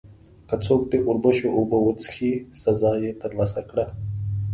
که څوک د اوربشو اوبه وڅښلې، سزا یې ترلاسه کړه.